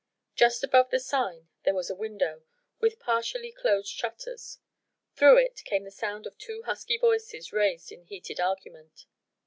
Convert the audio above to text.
Just above the sign there was a window with partially closed shutters: through it came the sound of two husky voices raised in heated argument.